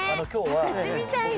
私みたいな。